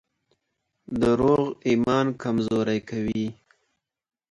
دروغ ایمان کمزوری کوي.